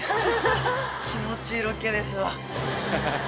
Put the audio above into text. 気持ちいいロケですわ。